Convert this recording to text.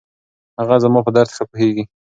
هغه زما په درد ښه پوهېږي.